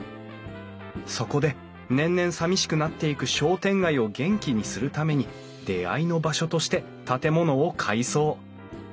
そこで年々さみしくなっていく商店街を元気にするために出会いの場所として建物を改装。